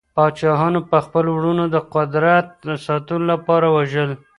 پادشاهانو به خپل وروڼه د قدرت ساتلو لپاره وژل.